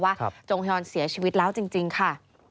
จงฮอนเสียชีวิตแล้วจริงค่ะ